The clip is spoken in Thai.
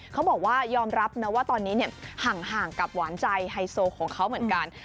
เขาบอกว่ายอมรับนะว่าตอนนี้ห่างกับหวานใจไฮโซของเขาเหมือนกัน